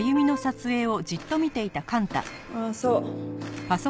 ああそう。